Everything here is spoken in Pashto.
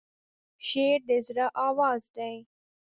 شعر د زړه آواز دی.